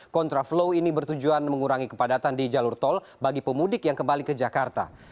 kontraflow ini bertujuan mengurangi kepadatan di jalur tol bagi pemudik yang kembali ke jakarta